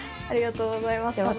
ありがとうございます。